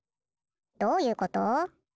どういうこと？